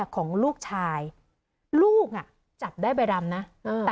ของลูกชายลูกอ่ะจับได้ใบดำนะเออ